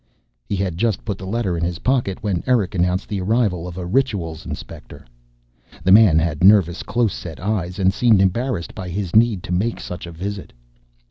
_ He had just put the letter in his pocket when Eric announced the arrival of a Rituals Inspector. The man had nervous close set eyes and seemed embarrassed by his need to make such a visit.